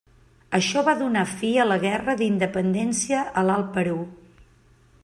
Això va donar fi a la guerra d'independència a l'Alt Perú.